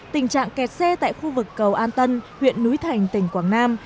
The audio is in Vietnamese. tình trạng kẹt xe tại khu vực cầu an tân huyện núi thành tỉnh quảng nam